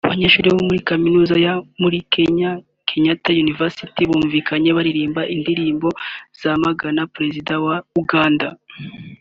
Abanyeshuli bo muri Kaminuza yo muri Kenya ya Kenyatta University bumvikanye baririmba indirimbo zamagana Perezida wa Uganda